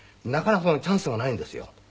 なかなかチャンスがないんですよ